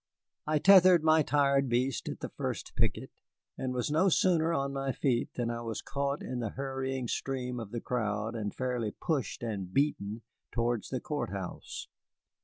I tethered my tired beast at the first picket, and was no sooner on my feet than I was caught in the hurrying stream of the crowd and fairly pushed and beaten towards the court house.